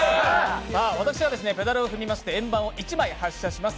私がペダルを踏みまして、円盤を１枚発射いたします。